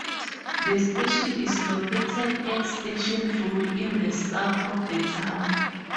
The station is located at Station Road in the South of the town.